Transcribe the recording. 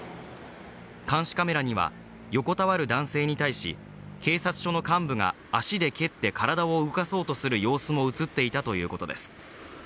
監視カメラには、横たわる男性に対し、警察署の幹部が足で蹴って体を動かそうとする様子も映っていたということです。